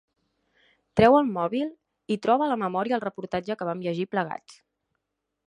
Treu el mòbil i troba a la memòria el reportatge que vam llegir plegats.